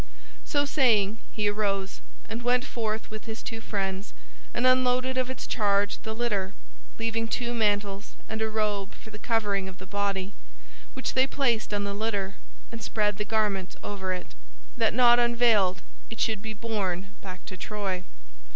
So saying he arose, and went forth with his two friends, and unloaded of its charge the litter, leaving two mantles and a robe for the covering of the body, which they placed on the litter, and spread the garments over it, that not unveiled it should be borne back to Troy.